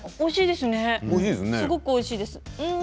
すごくおいしいです。